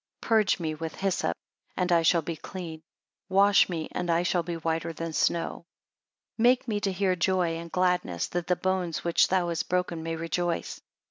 30 Purge me with hyssop, and I shall be clean: wash me, and I shall be whiter than snow. 31 Make me to hear joy and gladness, that the bones which thou hast broken may rejoice.